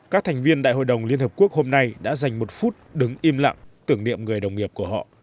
các thành viên đại hội đồng liên hợp quốc hôm nay đã dành một phút đứng im lặng tưởng niệm người đồng nghiệp của họ